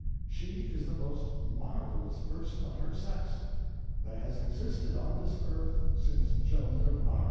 She is the most marvellous person of her sex that has existed on this earth since Joan of Arc.